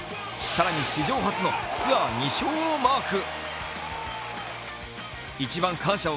更に史上初のツアー２勝をマーク。